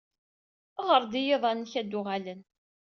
Ɣer-d i yiḍan-nnek ad d-uɣalen.